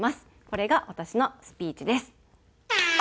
これが私のスピーチです。